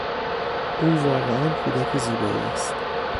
او واقعا" کودک زیبایی است.